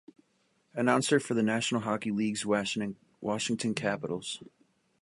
Announcer for the National Hockey League's Washington Capitals.